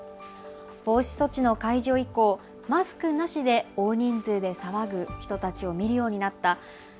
防止措置の解除以降、マスクなしで多い人数で騒ぐ人たちを見るようになった。